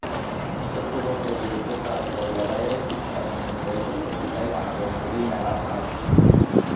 শত্রুপক্ষের বিরুদ্ধে কার্যকর লড়াইয়ে ইস্পাতনির্মিত এসব অতিকায় দানবের জুড়ি মেলা ভার।